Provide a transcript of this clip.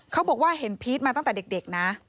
เขาบอกว่าเห็นพีชมาตั้งแต่เด็กนะ